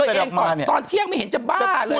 ตรวจสติตัวเองก่อนตอนเทียงไม่เห็นจะบ้าเลย